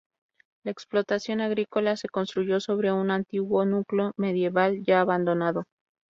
La explotación agricola se construyó sobre un antiguo núcleo medieval, ya abandonado.